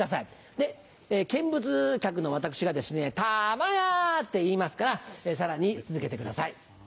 で見物客の私が「たまや！」って言いますからさらに続けてください。